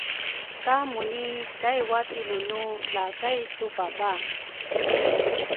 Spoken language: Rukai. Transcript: ka Muni kai watinunu la kai tubava.